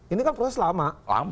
ini kan proses lama